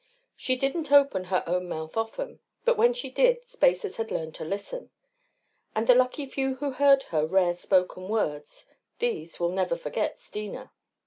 She didn't open her own mouth often. But when she did spacers had learned to listen. And the lucky few who heard her rare spoken words these will never forget Steena.